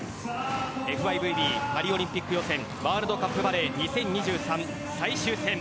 ＦＩＶＢパリオリンピック予選ワールドカップバレー２０２３最終戦。